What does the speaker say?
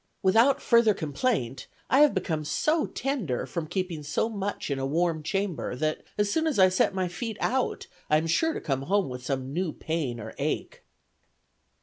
Without further complaint, I have become so tender, from keeping so much in a warm chamber, that, as soon as I set my feet out, I am sure to come home with some new pain or ache."